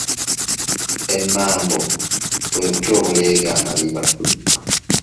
Emmambo bwe buti obuleega amaliba.